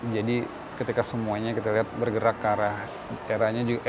jadi ketika semuanya kita lihat bergerak ke arah